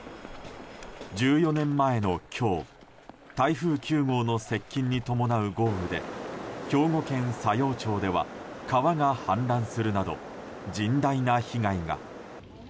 １４年前の今日台風９号の接近に伴う豪雨で兵庫県佐用町では川が氾濫するなど甚大な被害が。